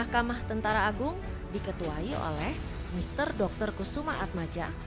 mahkamah tentara agung diketuai oleh mister dr kusuma atmaja